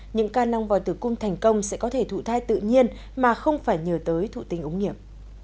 những ca nong vòi tử cung thành công sẽ có thể thụ thai tự nhiên mà không phải nhờ tới thụ tinh ống nghiệm